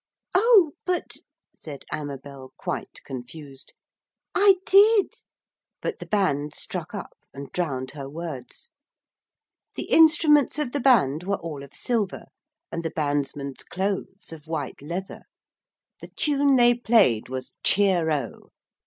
'Oh, but,' said Amabel quite confused. 'I did....' But the band struck up, and drowned her words. The instruments of the band were all of silver, and the bandsmen's clothes of white leather. The tune they played was 'Cheero!'